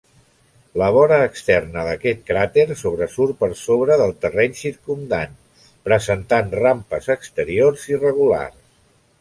La vora externa d'aquest cràter sobresurt per sobre del terreny circumdant, presentant rampes exteriors irregulars.